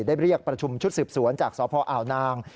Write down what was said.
ได้เรียกประชุมชุดสืบสวนจากสพอ่าวนาง